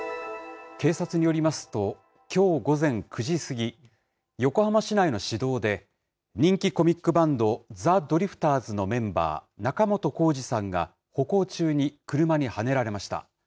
警察によりますと、きょう午前９時過ぎ、横浜市内の市道で、人気コミックバンド、ザ・ドリフターズのメンバー、仲本工事さんが、歩行中に車にはねられました。